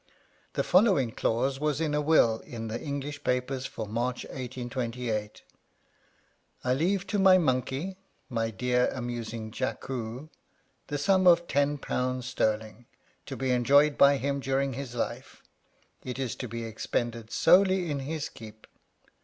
The following clause from a will was in the English papers for March 1828 : I leave to my monkey, my dear, amusing Jackoo, the sum of 10/. sterling, to be enjoyed by him during his life ; it is to be expended solely in his keep.